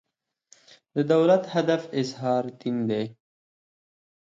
د دولت هدف اظهار دین دی.